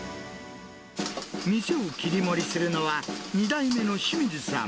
店を切り盛りするのは、２代目の清水さん。